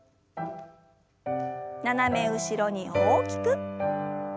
斜め後ろに大きく。